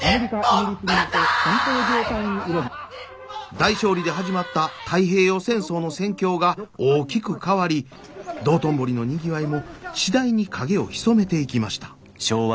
大勝利で始まった太平洋戦争の戦況が大きく変わり道頓堀の賑わいも次第に影を潜めていきました。